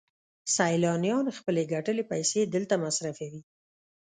سیلانیان خپلې ګټلې پیسې دلته مصرفوي